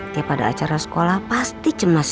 dia pada acara sekolah pasti cemas